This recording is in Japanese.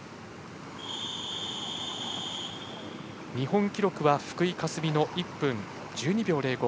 日本記録は福井香澄の１分１２秒０５。